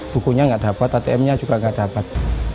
bukunya tidak dapat atm nya juga tidak dapat